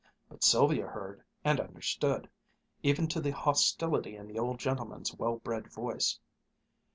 But Sylvia heard, and understood, even to the hostility in the old gentleman's well bred voice.